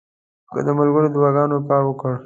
که د ملګرو دعاګانو کار ورکړ.